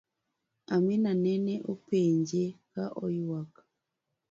Amina nene openje ka oywak